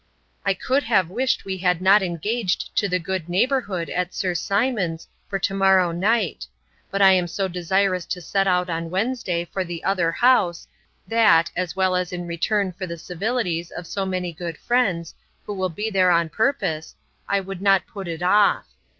I could have wished we had not engaged to the good neighbourhood at Sir Simon's for to morrow night; but I am so desirous to set out on Wednesday for the other house, that, as well as in return for the civilities of so many good friends, who will be there on purpose, I would not put it off.